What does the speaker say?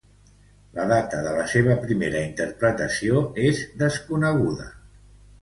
La data de la seua primera interpretació és desconeguda.